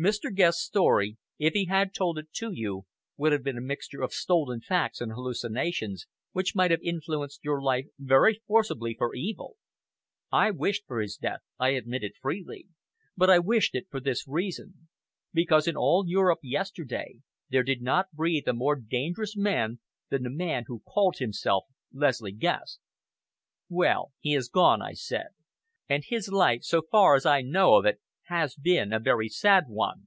"Mr. Guest's story, if he had told it to you, would have been a mixture of stolen facts and hallucinations, which might have influenced your life very forcibly for evil. I wished for his death! I admit it freely. But I wished it for this reason: because in all Europe yesterday, there did not breathe a more dangerous man than the man who called himself Leslie Guest." "Well, he has gone," I said, "and his life, so far as I know of it, has been a very sad one.